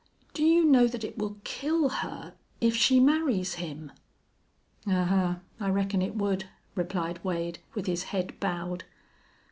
Do you know that it will kill her, if she marries him?" "Ahuh! I reckon it would," replied Wade, with his head bowed.